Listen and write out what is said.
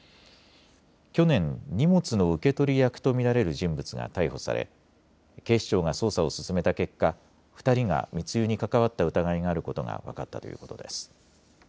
去年、荷物の受け取り役と見られる人物が逮捕され警視庁が捜査を進めた結果、２人が密輸に関わった疑いがあることが分かったということです。